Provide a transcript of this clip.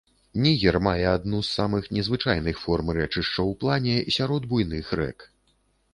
Нігер мае адну з самых незвычайных форм рэчышча ў плане сярод буйных рэк.